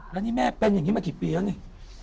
แล้วนี่แม่เป็นอย่างนี้มากี่ปีแล้วนี่